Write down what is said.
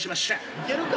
いけるか？